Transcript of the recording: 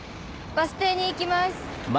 バス停に行きます。